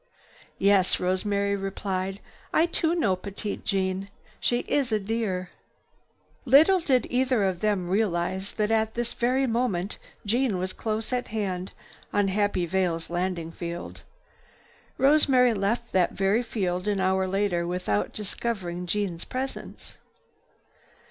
"Yes," Rosemary replied, "I too know Petite Jeanne. She is a dear!" Little did either of them realize that at this very moment Jeanne was close at hand, on Happy Vale's landing field. Rosemary left that very field an hour later without discovering Jeanne's presence.